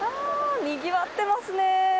おー、にぎわってますね。